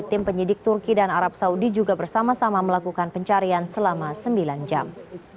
tim penyidik turki dan arab saudi juga bersama sama melakukan pencarian selama sembilan jam